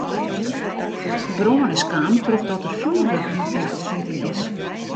De brân is kaam trochdat der fjoerwurk yn de winkel smiten is.